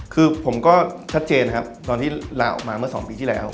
คือผมก็ชัดเจนครับตอนที่ลาออกมาเมื่อ๒ปีที่แล้ว